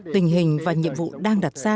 tình hình và nhiệm vụ đang đặt ra